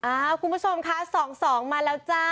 อ้าวคุณผู้ชมค่ะ๒๒มาแล้วจ้า๒๒